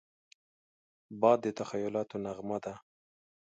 باد د تخیلاتو نغمه ده